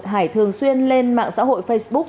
hải thường xuyên lên mạng xã hội facebook